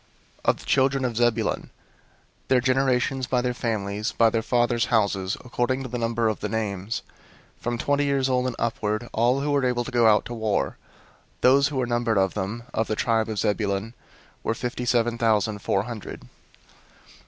001:030 Of the children of Zebulun, their generations, by their families, by their fathers' houses, according to the number of the names, from twenty years old and upward, all who were able to go out to war; 001:031 those who were numbered of them, of the tribe of Zebulun, were fifty seven thousand four hundred.